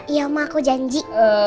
iya omah aku janji